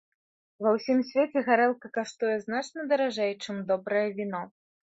Ва ўсім свеце гарэлка каштуе значна даражэй, чым добрае віно.